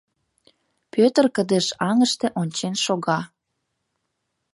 Пӧтыр кыдеж аҥыште ончен шога.